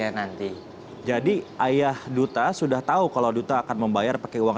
nanti jadi ayah duta sudah tahu kalau duta akan membayar pakai uang